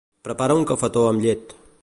Preparar un cafetó amb llet.